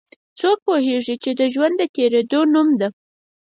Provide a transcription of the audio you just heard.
څوک پوهیږي چې ژوند د تیریدو نوم ده